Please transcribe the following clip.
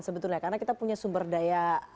sebetulnya karena kita punya sumber daya